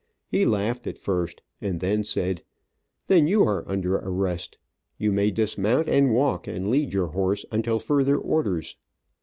He laughed at first and then said, "Then you are under arrest. You may dismount and walk and lead your horse until further orders."